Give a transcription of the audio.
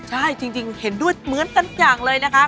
ใช่จริงเห็นด้วยเหมือนกันอย่างเลยนะคะ